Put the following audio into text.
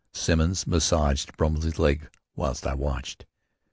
Simmons massaged Brumley's legs whilst I watched.